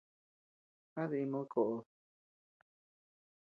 ¿A dimid koʼod?